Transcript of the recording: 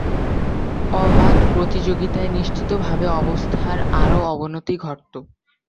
অবাধ প্রতিযোগিতায় নিশ্চিতভাবে অবস্থার আরও অবনতি ঘটত।